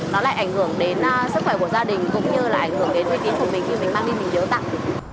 nó lại ảnh hưởng đến sức khỏe của gia đình cũng như là ảnh hưởng đến tiền tiền của mình khi mình mang đi tiếu tặng